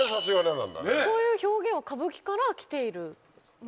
そういう表現は歌舞伎からきているもの？